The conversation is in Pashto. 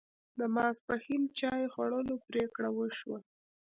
د ماپښین چای خوړلو پرېکړه وشوه.